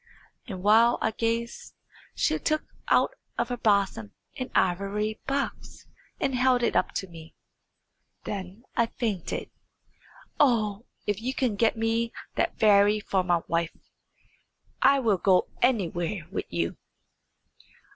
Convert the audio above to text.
And while I gazed she took out of her bosom an ivory box, and held it up to me. Then I fainted. Oh! if you can get me that fairy for my wife, I will go anywhere with you."